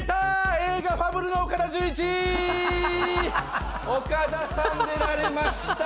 映画『ファブル』の岡田准一！岡田さん出られました。